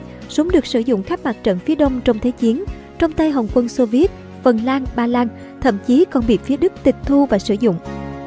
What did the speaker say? btrd bốn mươi một được sử dụng khắp mặt trận phía đông trong thế chiến trong tay hồng quân soviet phần lan ba lan thậm chí còn bị phía đức tịch thu và sử dụng